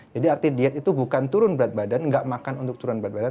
jadi arti diet itu bukan turun berat badan gak makan untuk turun berat badan